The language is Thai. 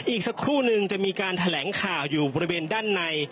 อีกสักครู่นึงจะมีการแถลงข่าวอยู่บริเวณด้านใน